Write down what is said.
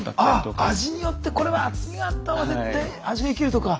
あっ味によってこれは厚みがあった方が絶対味が生きるとか。